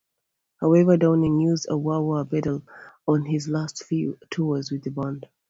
However, Downing used a wah-wah pedal on his last few tours with the band.